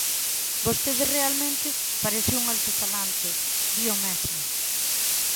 Vostede realmente parece un altofalante; di o mesmo.